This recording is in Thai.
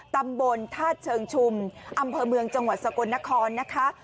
ตำบลธาตุเชิงชุมอำเภอเมืองจังหวัดสกลนครนะคะ